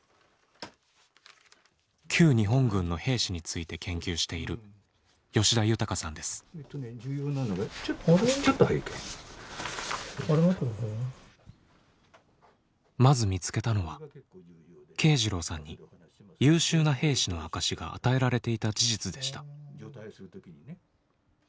旧日本軍の兵士について研究しているまず見つけたのは慶次郎さんに優秀な兵士の証しが与えられていた事実でした。